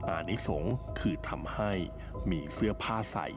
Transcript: นิสงฆ์คือทำให้มีเสื้อผ้าใส่